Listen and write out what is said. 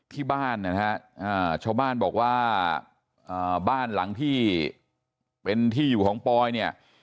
ที่บ้านนะฮะชาวบ้านบอกว่าบ้านหลังที่เป็นที่อยู่ของปอยเนี่ย